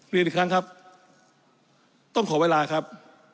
เรียนอีกครั้งครับต้องขอเวลาครับ